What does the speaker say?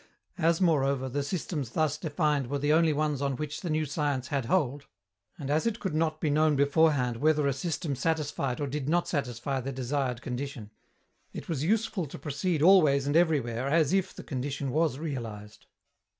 As, moreover, the systems thus defined were the only ones on which the new science had hold, and as it could not be known beforehand whether a system satisfied or did not satisfy the desired condition, it was useful to proceed always and everywhere as if the condition was realized.